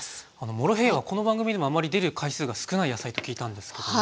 モロヘイヤはこの番組でもあまり出る回数が少ない野菜と聞いたんですけども。